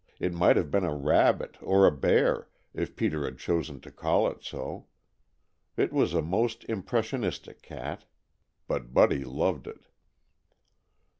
It might have been a rabbit or a bear, if Peter had chosen to call it so. It was a most impressionistic cat. But Buddy loved it.